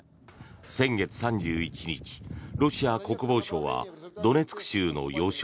先月３１日、ロシア国防省はドネツク州の要所